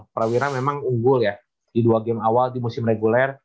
prawira memang unggul ya di dua game awal di musim reguler